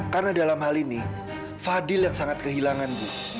karena dalam hal ini fadil yang sangat kehilangan bu